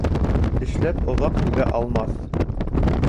Эшләп оҙаҡ түҙә алмаҫ.